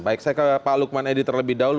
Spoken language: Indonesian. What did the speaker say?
baik saya ke pak lukman edi terlebih dahulu